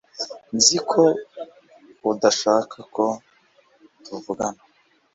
Nzi ko udashaka ko tuvugana